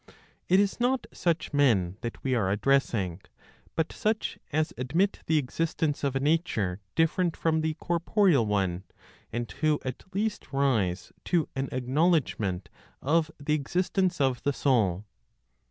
It is not such men that we are addressing, but such as admit the existence of a nature different from the corporeal one, and who at least rise (to an acknowledgment of the existence of) the Soul.